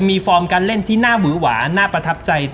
มีฟอร์มการเล่นที่น่าหวือหวาน่าประทับใจ